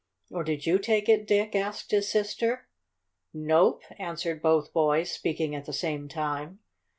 "Or did you take it, Dick?" asked his sister. "Nope!" answered both boys, speaking at the same time.